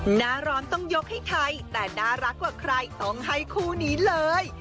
หน้าร้อนต้องยกให้ใครแต่น่ารักกว่าใครต้องให้คู่นี้เลย